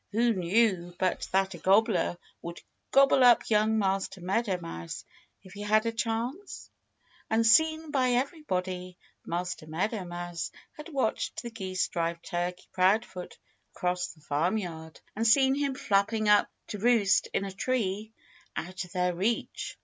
Who knew but that a gobbler would gobble up young Master Meadow Mouse if he had a chance? Unseen by everybody, Master Meadow Mouse had watched the geese drive Turkey Proudfoot across the farmyard and seen him flapping up to roost in a tree out of their reach.